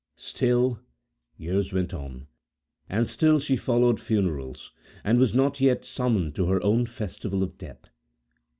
Still, years went on, and still she followed funerals, and was not yet summoned to her own festival of death.